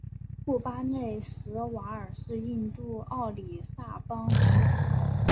布巴内什瓦尔是印度奥里萨邦首府。